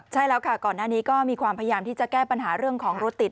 ใช่แล้วค่ะก่อนหน้านี้ก็มีความพยายามที่จะแก้ปัญหาเรื่องของรถติด